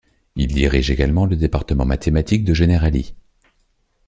Il dirige également le département mathématique de Generali.